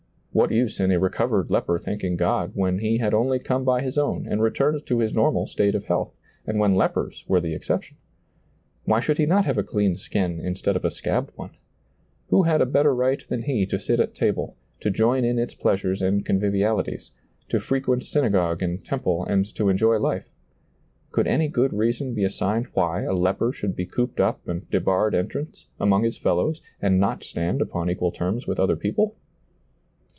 What use in a recovered leper thanking God when he had only come by his own and re turned to his normal state of health, and when lepers were the exception ? Why should he not have a clean skin instead of a scabbed one ? Who had a better right than he to sit at table, to join in its pleasures and convivialities, to frequent syna gogue and temple, and to enjoy life? Could any good reason be assigned why a leper should be cooped up and debarred entrance, among his fellows, and not stand upon equal terms with other people